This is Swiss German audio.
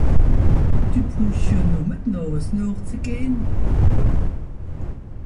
Dü brüsch jo nùmme de Nààs nooch ze gehn.